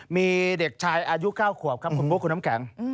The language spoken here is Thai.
มีเด็กชายอายุ๙ขวบคุณโมกคุณอำแข็ง